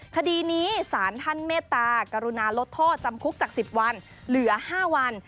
คดีนี้สารท่านเมตตากรุณาลดโทษจำคุกจาก๑๐วันเหลือ๕วัน